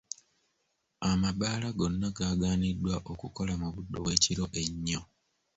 Amabbaala gonna gaaganibwa okukola mu budde obw'ekiro ennyo.